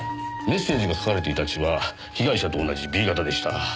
メッセージが書かれていた血は被害者と同じＢ型でした。